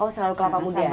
oh selalu kelapa muda aja